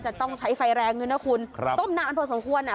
จะต้องใช้ไฟแรงด้วยนะคุณครับต้มนานพอสมควรอ่ะ